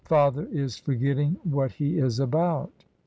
Father is forgetting what he is about."